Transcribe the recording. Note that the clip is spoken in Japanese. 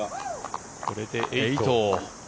これで８。